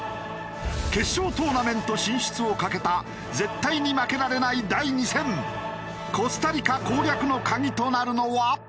決勝トーナメント進出をかけた絶対に負けられない第２戦！コスタリカ攻略の鍵となるのは？